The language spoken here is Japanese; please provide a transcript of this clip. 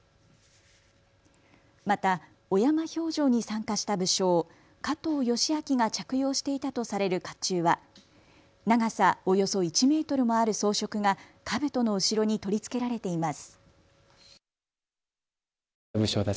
また小山評定に参加した武将、加藤嘉明が着用していたとされるかっちゅうは長さおよそ１メートルもある装飾がかぶとの後ろに取り付けられています。